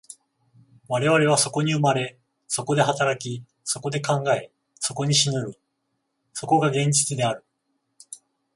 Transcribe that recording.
我々はそこに生まれ、そこで働き、そこで考え、そこに死ぬる、そこが現実である。